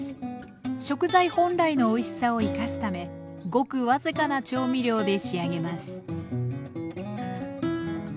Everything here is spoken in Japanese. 食材本来のおいしさを生かすためごく僅かな調味料で仕上げます